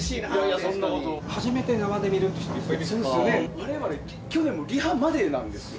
我々去年リハまでなんですよ。